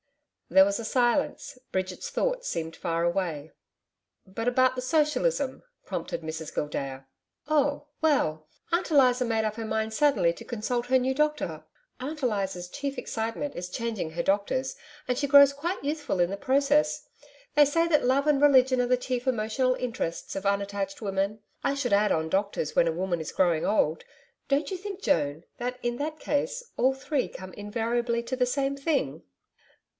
There was silence, Bridget's thoughts seemed far away. 'But about the Socialism?' prompted Mrs Gildea. 'Oh well, Aunt Eliza made up her mind suddenly to consult her new doctor Aunt Eliza's chief excitement is changing her doctors, and she grows quite youthful in the process. They say that love and religion are the chief emotional interests of unattached women. I should add on doctors when a woman is growing old. Don't you think, Joan, that in that case, all three come invariably to the same thing?'